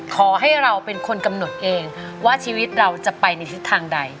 ขอให้เราเป็นคนกำหนดเองว่าชีวิตเราจะไปในทิศทางใด